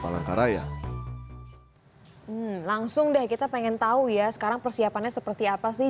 palangkaraya langsung deh kita pengen tahu ya sekarang persiapannya seperti apa sih